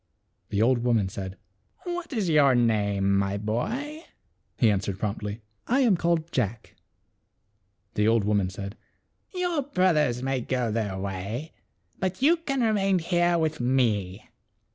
The old woman said, "What is your name, my boy ?" He an swered promptly, " I am called Jack." The old woman said, " Your brothers may go their way, but you can remain here with me.